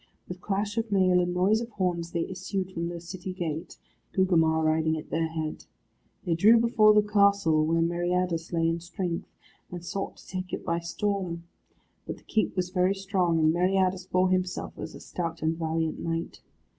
With clash of mail and noise of horns they issued from the city gate, Gugemar riding at their head. They drew before the castle where Meriadus lay in strength, and sought to take it by storm. But the keep was very strong, and Meriadus bore himself as a stout and valiant knight.